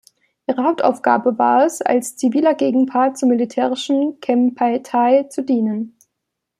Ihre Hauptaufgabe war es, als ziviler Gegenpart zum militärischen Kempeitai zu dienen.